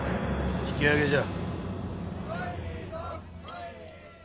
引き揚げじゃ。